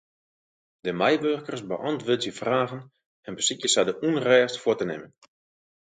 De meiwurkers beäntwurdzje fragen en besykje sa de ûnrêst fuort te nimmen.